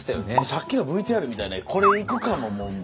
さっきのＶＴＲみたいな「コレ行くか？」ももう。